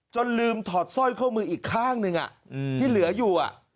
ลืมถอดสร้อยข้อมืออีกข้างหนึ่งที่เหลืออยู่